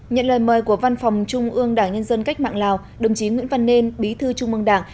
nhận lời mời của văn phòng trung ương đảng nhân dân cách mạng lào đồng chí nguyễn văn nên bí thư trung mương đảng